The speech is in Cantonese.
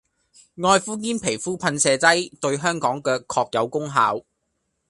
愛膚堅皮膚噴射劑對香港腳確有功效